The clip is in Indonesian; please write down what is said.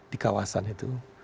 di kawasan itu